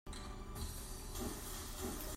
Ka kut a ka sih.